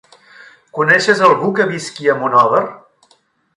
Coneixes algú que visqui a Monòver?